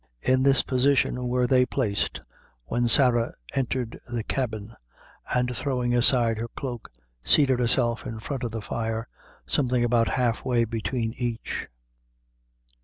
In this position were they placed when Sarah entered the cabin, and throwing aside her cloak, seated herself in front of the fire, something about halfway between each.